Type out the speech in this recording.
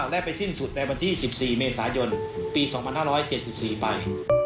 ได้ไปสิ้นสุดในวันที่๑๔เมษายนปี๒๕๗๔ไป